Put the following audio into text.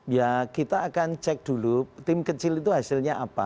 ya kita akan cek dulu tim kecil itu hasilnya apa